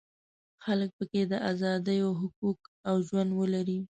خلک په کې د ازادیو حقوق او ژوند ولري.